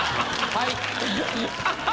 「はい」。